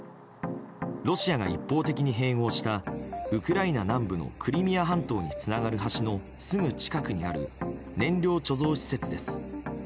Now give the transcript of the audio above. ロシアが一方的に併合したウクライナ南部のクリミア半島につながる橋のすぐ近くにある燃料貯蔵施設です。